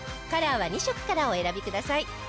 カラーは２色からお選びください。